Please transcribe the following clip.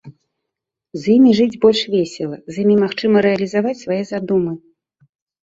З імі жыць больш весела, з імі магчыма рэалізаваць свае задумы.